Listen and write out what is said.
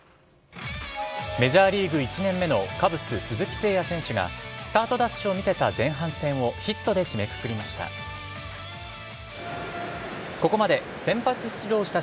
メジャーリーグ１年目のカブス、鈴木誠也選手がスタートダッシュを見せた前半戦を、ヒットで締めくくりました。